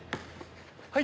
はい。